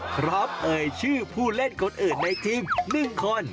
เอ่ยชื่อผู้เล่นคนอื่นในทีม๑คน